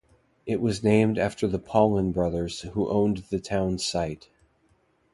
It was named for the Paullin brothers, who owned the town site.